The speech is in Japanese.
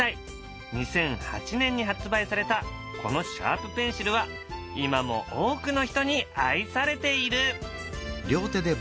２００８年に発売されたこのシャープペンシルは今も多くの人に愛されている。